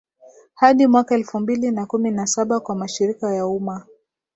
hadi mwaka elfu mbili na kumi na Saba kwa mashirika ya umma